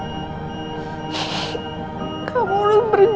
jadi cari n brush kork semua yang dikunjungi